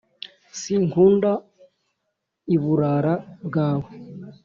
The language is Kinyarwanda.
Si nkunda iburara bwawe